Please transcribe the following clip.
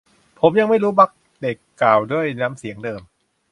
ผมยังไม่รู้ บัคเค็ตกล่าวด้วยน้ำเสียงเดิม